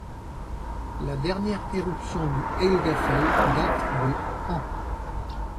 La dernière éruption du Helgafell date de ans.